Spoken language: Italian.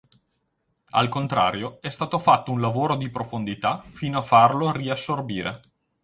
Al contrario è stato fatto un lavoro di profondità, fino a farlo riassorbire.